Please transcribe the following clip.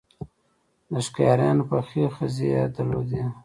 د ښکاریانو پخې خزې یې درلودې.